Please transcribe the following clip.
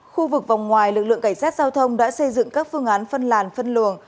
khu vực vòng ngoài lực lượng cảnh sát giao thông đã xây dựng các phương án phân làn phân luồng